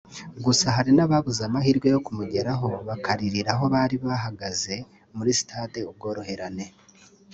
gusa hari n’ababuze amahirwe yo kumugeraho bakaririra aho bari bahagaze muri Stade Ubworoherane